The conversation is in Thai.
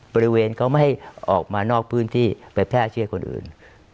บริเวณเขาไม่ให้ออกมานอกพื้นที่ไปแพร่เชื้อคนอื่น